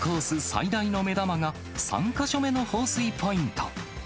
最大の目玉が、３か所目の放水ポイント。